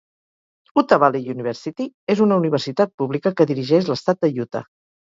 Utah Valley University és una universitat pública que dirigeix l'estat de Utah.